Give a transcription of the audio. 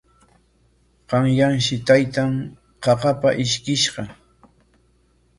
Qanyanshi taytan qaqapa ishkishqa.